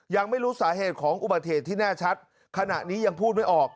ยังไม่รู้สาเหตุของอุบัติเหตุที่แน่ชัดขณะนี้ยังพูดไม่ออก